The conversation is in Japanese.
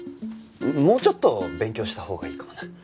もうちょっと勉強したほうがいいかもな。